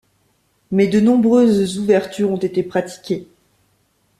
Mais de nombreuses ouvertures ont été pratiquées.